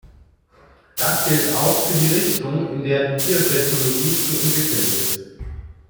Das gilt auch für die Richtung, in der die Biotechnologie zu entwickeln ist.